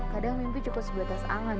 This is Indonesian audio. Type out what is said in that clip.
kadang mimpi cukup sebuah tas angan